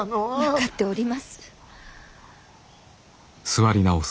分かっております。